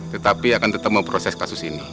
tetapi akan tetap memproses kasus ini